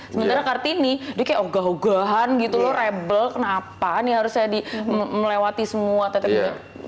sementara kartini dia kayak ogah ogahan gitu loh rebel kenapa ini harus saya melewati semua tetep ini